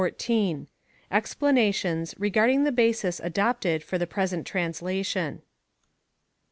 Explanations regarding the Basis adopted for the PRESENT Translation.